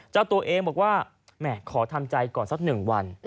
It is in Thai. เจ้าตัวเองบอกว่าแหมขอทำใจก่อนสัก๑วัน